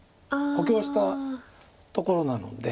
補強したところなので。